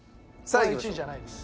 これは１位じゃないです。